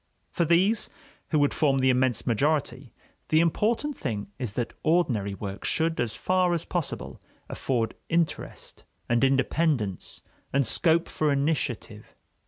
For these, who would form the immense majority, the important thing is that ordinary work should, as far as possible, afford interest and independence and scope for initiative.